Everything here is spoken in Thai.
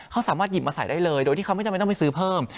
เขาสามารถหยิบมาใส่ได้เลยโดยที่เขาไม่จำเป็นต้องไปซื้อเพิ่ม